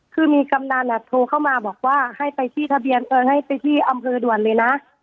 คือมีกำดานโทรเข้ามาบอกว่าให้ไปที่อำเภอด่วนเลยนะ